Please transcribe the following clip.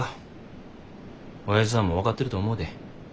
おやじさんも分かってると思うで。